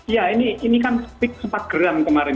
ya ini kan sepik sepatu gram kemarin